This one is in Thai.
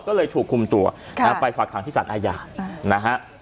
ก็เลยถูกคุมตัวไปฝากหางที่สารอาญานะฮะ